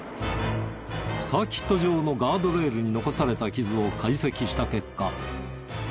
サーキット場のガードレールに残された傷を解析した結果。